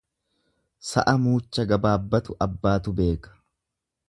Sa'a mucha gabaabbatu abbaatu beeka.